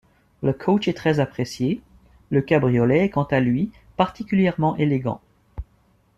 Le coach est très apprécié, le cabriolet est quant à lui particulièrement élégant.